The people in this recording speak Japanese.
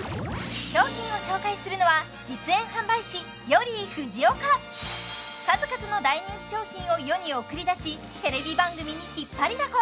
商品を紹介するのは数々の大人気商品を世に送り出しテレビ番組に引っ張りだこ！